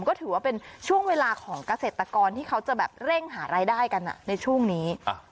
ก็ถือว่าเป็นช่วงเวลาของเกษตรกรที่เขาจะแบบเร่งหารายได้กันในช่วงนี้